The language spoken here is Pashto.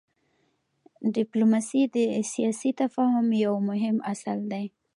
ډيپلوماسي د سیاسي تفاهم یو مهم اصل دی.